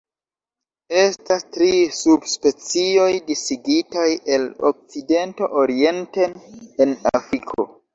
Estas tri subspecioj disigitaj el okcidento orienten en Afriko.